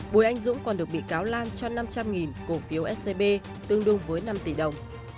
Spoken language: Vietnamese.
bùi anh dũng còn được bị cáo lan cho năm trăm linh cổ phiếu scb tương đương với năm tỷ đồng